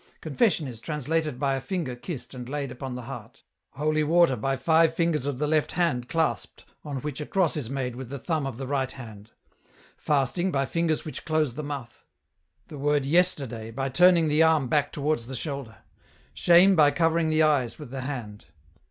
Confession is translated by a finger kissed and laid upon the heart ; holy water by five fingers of the left hand clasped on which a cross is made with the thumb of the right hand ; fasting by fingers which close the mouth ; the word ' yesterday ' by turning the arm back towards the shoulder ; shame by covering the eyes with the hand."